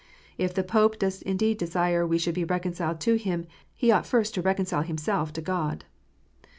If the Pope does indeed desire we should be reconciled to him, he ought first to reconcile himself to God."